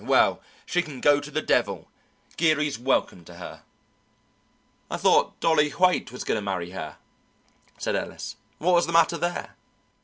Well, she can go to the devil. Geary's welcome to her." "I thought Dolly Haight was going to marry her," said Ellis. "What was the matter there?"